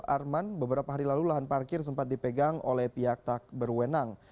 arman beberapa hari lalu lahan parkir sempat dipegang oleh pihak tak berwenang